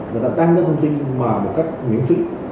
người ta đăng cái thông tin mà một cách miễn phí